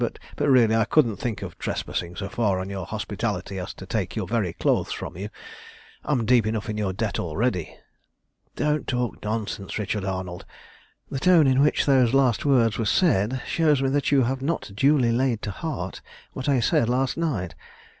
But, really, I couldn't think of trespassing so far on your hospitality as to take your very clothes from you. I'm deep enough in your debt already." "Don't talk nonsense, Richard Arnold. The tone in which those last words were said shows me that you have not duly laid to heart what I said last night.